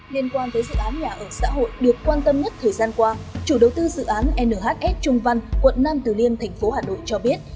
liên quan tới dự án nhà ở xã hội được quan tâm nhất thời gian qua chủ đầu tư dự án nhs trung văn quận nam từ liêm thành phố hà nội cho biết